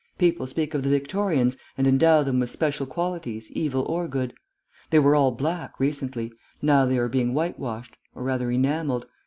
People speak of the Victorians, and endow them with special qualities, evil or good. They were all black recently; now they are being white washed or rather enamelled.